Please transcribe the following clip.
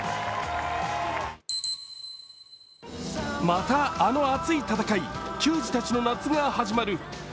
また、あの熱い戦い、球児たちの夏が始まる。